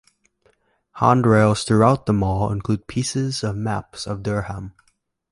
Hand rails throughout the mall include pieces of maps of Durham.